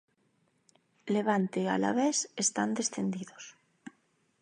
Levante e Alavés están descendidos.